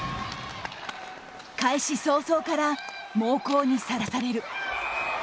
開始早々から猛攻にさらされる。